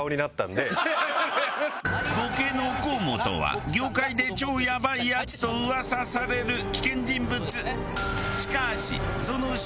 ボケの河本は業界で超やばいヤツと噂される危険人物。